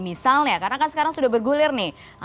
misalnya karena kan sekarang sudah bergulir nih